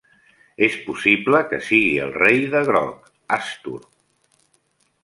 És possible que sigui el Rei de Groc, Hastur.